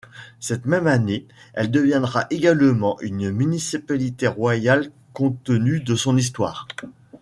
Cette même année elle deviendra également une municipalité royale compte tenu de son histoire.